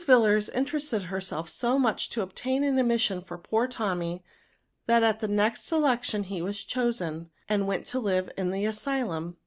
Yillars interested herself so much to obtain an admission for poor Tommy, that at the next election he was chosen, and went to live in the Asylum.